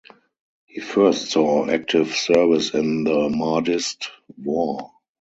He first saw active service in the Mahdist War.